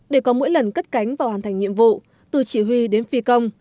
để có mỗi lần cất cánh và hoàn thành nhiệm vụ từ chỉ huy đến phi công